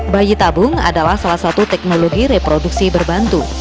bayi tabung adalah salah satu teknologi reproduksi berbantu